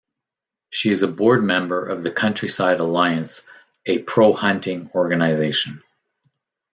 She is a board member of the Countryside Alliance, a pro-hunting organisation.